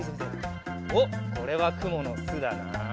おっこれはくものすだな。